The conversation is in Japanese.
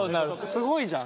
すごいじゃん。